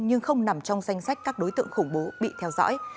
nhưng không nằm trong danh sách các đối tượng khủng bố bị theo dõi